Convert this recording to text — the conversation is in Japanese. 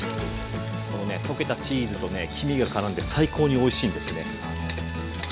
このね溶けたチーズと黄身がからんで最高においしいんですね。